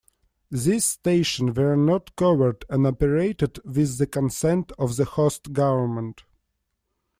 These stations were not covert and operated with the consent of the host government.